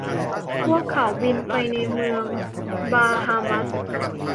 พวกเขาบินไปที่เมืองบาฮามัส